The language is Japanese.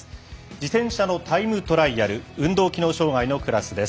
自転車のタイムトライアル運動機能障がいのクラスです。